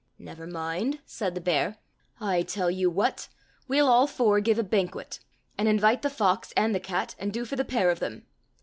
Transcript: " Never mind," said the bear, " I tell you what, we'll all four give a banquet, and invite the fox and the cat, and do for the pair of them.